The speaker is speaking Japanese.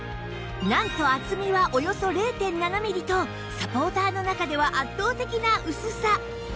なんと厚みはおよそ ０．７ ミリとサポーターの中では圧倒的な薄さ